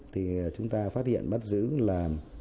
thì chúng ta phát hiện bắt giữ là